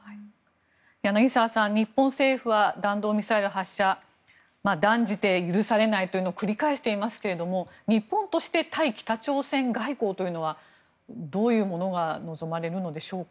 柳澤さん、日本政府は弾道ミサイル発射断じて許されないというのを繰り返していますが日本として対北朝鮮外交というのはどういうものが望まれるのでしょうか。